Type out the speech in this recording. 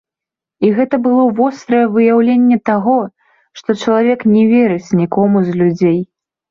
І гэта было вострае выяўленне таго, што чалавек не верыць нікому з людзей.